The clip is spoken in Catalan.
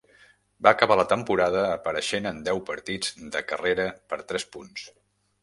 Va acabar la temporada apareixent en deu partits de carrera per tres punts.